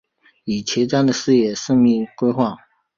以前瞻的视野缜密规划